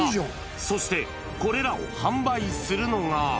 そして、これらを販売するのが。